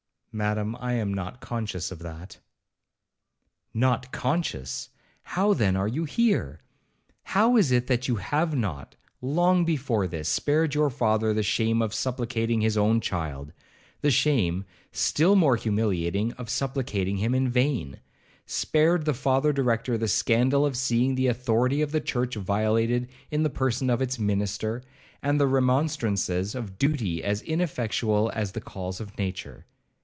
'Madam, I am not conscious of that.' 'Not conscious! How then are you here? How is it that you have not, long before this, spared your father the shame of supplicating his own child,—the shame, still more humiliating, of supplicating him in vain; spared the Father Director the scandal of seeing the authority of the church violated in the person of its minister, and the remonstrances of duty as ineffectual as the calls of nature?